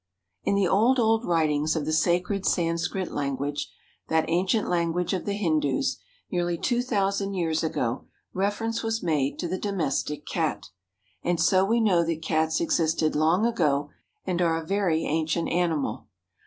In the old, old writings of the sacred Sanskrit language, that ancient language of the Hindoos, nearly two thousand years ago reference was made to the Domestic Cat. And so we know that Cats existed long ago and are a very ancient animal.